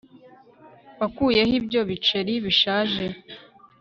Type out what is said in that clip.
Wakuye he ibyo biceri bishaje